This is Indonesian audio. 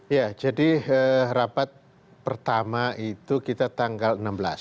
ya jadi rapat pertama itu kita tanggal enam belas